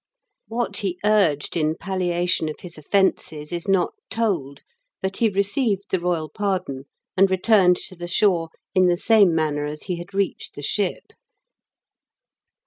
What he urged in palliation of his offences is not told ; but he received the royal pardon. LEGEND OF SIB ROBERT SEUBLAND. 71 and returned to the shore in the same manner as he had reached the ship.